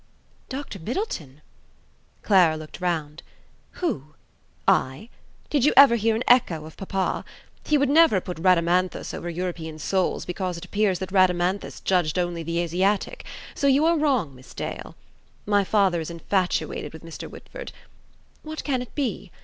"Dr Middleton!" Clara looked round. "Who? I? Did you hear an echo of papa? He would never have put Rhadamanthus over European souls, because it appears that Rhadamanthus judged only the Asiatic; so you are wrong, Miss Dale. My father is infatuated with Mr. Whitford. What can it be?